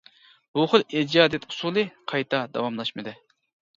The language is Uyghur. بۇ خىل ئىجادىيەت ئۇسۇلى قايتا داۋاملاشمىدى.